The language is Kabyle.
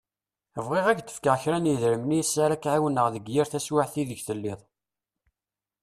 Bɣiɣ ad k-d-fkeɣ kra n yedrimen iss ara k-εiwneɣ deg yir taswiεt-a ideg telliḍ.